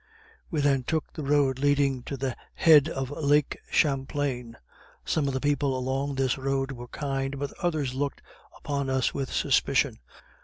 We then took the road leading to the head of lake Champlain; some of the people along this road were kind, but others looked upon us with suspicion.